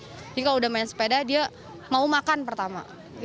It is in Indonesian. jadi kalau udah main sepeda dia mau makan pertama